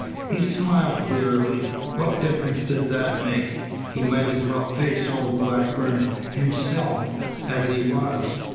He smiled wearily. What difference did that make? He might as well face old Blackburn, himself, as he was.